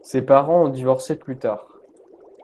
Ses parents ont divorcé plus tard.